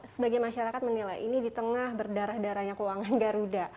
sebagai masyarakat menilai ini di tengah berdarah darahnya keuangan garuda